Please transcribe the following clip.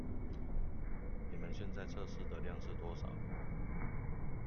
你們現在測試的量是多少？